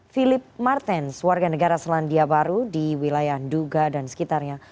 philip martens warga negara selandia baru di wilayah nduga dan sekitarnya